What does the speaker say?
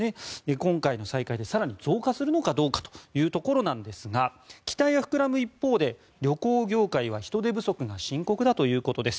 今回の再開で更に増加するのかどうかというところですが期待は膨らむ一方で旅行業界は人手不足が深刻だということです。